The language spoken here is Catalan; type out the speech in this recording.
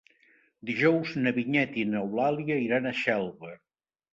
Dijous na Vinyet i n'Eulàlia iran a Xelva.